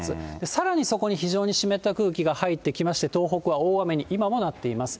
さらにそこに非常に湿った空気が入ってきまして、東北は大雨に今もなっています。